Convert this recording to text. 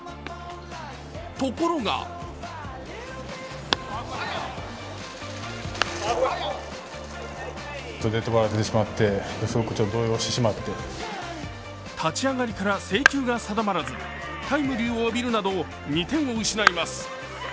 ところが立ち上がりから制球が定まらず、タイムリーを浴びるなど２点を失います。